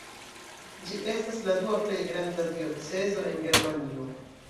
Ĝi estas la dua plej granda diocezo en Germanio.